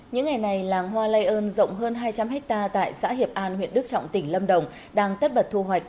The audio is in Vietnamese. những ngày này làng hoa lây ơn rộng hơn hai trăm linh hectare tại xã hiệp an huyện đức trọng tỉnh lâm đồng đang tất bật thu hoạch